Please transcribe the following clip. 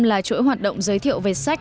là chuỗi hoạt động giới thiệu về sách